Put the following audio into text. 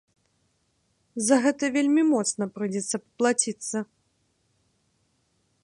За гэта вельмі моцна прыйдзецца паплаціцца.